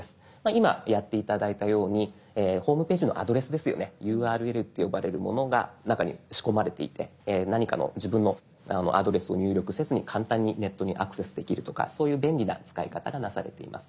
今やって頂いたようにホームページのアドレスですよね「ＵＲＬ」って呼ばれるものが中に仕込まれていて何かの自分のアドレスを入力せずに簡単にネットにアクセスできるとかそういう便利な使い方がなされています。